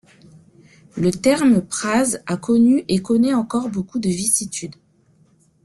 Le terme prase a connu et connait encore beaucoup de vicissitudes.